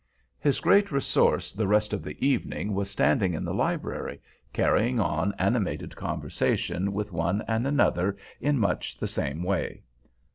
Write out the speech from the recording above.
His great resource the rest of the evening was standing in the library, carrying on animated conversations with one and another in much the same way.